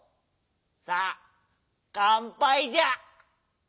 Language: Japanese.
さあかんぱいじゃ！